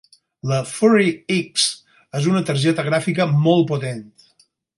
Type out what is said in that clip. La Fury X és una targeta gràfica molt potent.